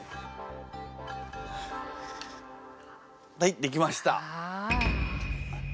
はいできました。